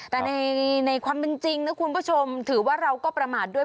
แต่ในความเป็นจริงนะคุณผู้ชมถือว่าเราก็ประมาทด้วย